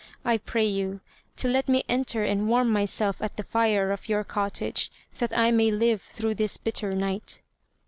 I pray you to let me enter and warm myself at the fire of your cottage, that I may live through this bitter night."